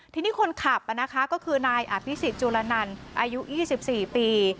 ทีนี้คนขับนะคะก็คือนายอภิษฎจุลนันอายุ๒๔ปี